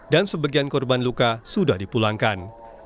dan sebagian korban luka sudah dipulangkan